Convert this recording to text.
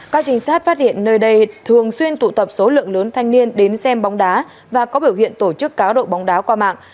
các trinh sát phát hiện nơi đây thường xuyên tụ tập số lượng lớn thanh niên đến xem bóng đá và có biểu hiện tổ chức cá độ bóng đá qua mạng